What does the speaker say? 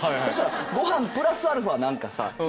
そしたらごはんプラスアルファ何かさ